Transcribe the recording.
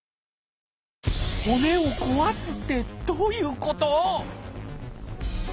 「骨を壊す」ってどういうこと？